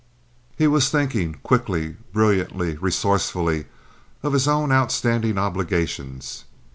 He was thinking quickly, brilliantly, resourcefully of his own outstanding obligations.